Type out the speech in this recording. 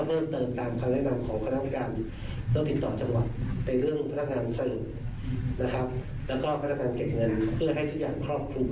แล้วก็พันธการเก็บเงินเพื่อให้ทุกอย่างครอบคลุม